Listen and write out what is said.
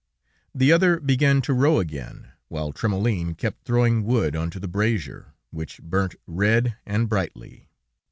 The other began to row again, while Trémoulin kept throwing wood onto the brazier, which burnt red and brightly.